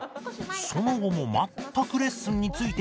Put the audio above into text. その後も全くレッスンについていけない伊藤